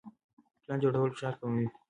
پلان جوړول فشار کموي.